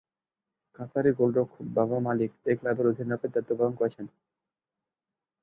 কাতারি গোলরক্ষক বাবা মালিক এই ক্লাবের অধিনায়কের দায়িত্ব পালন করছেন।